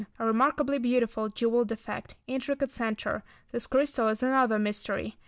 A remarkably beautiful, jewelled effect; intricate centre. This crystal is another mystery.